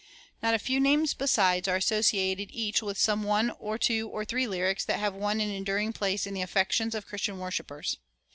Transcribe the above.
Not a few names besides are associated each with some one or two or three lyrics that have won an enduring place in the affections of Christian worshipers.